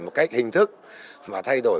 một cách hình thức mà thay đổi